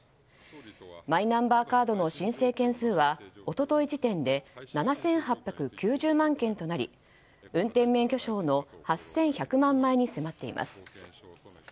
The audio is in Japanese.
マイナンバーカードの申請件数は一昨日時点で７８９０万件となり運転免許証の８１００万枚に迫っています。